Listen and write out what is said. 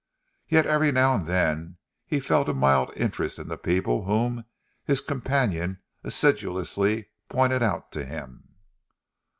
Yet every now and then he felt a mild interest in the people whom his companion assiduously pointed out to him.